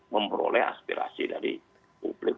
memperoleh aspirasi dari publik